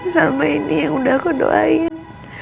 sama ini yang udah aku doain